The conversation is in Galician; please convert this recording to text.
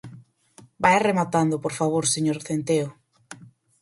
Vaia rematando, por favor, señor Centeo.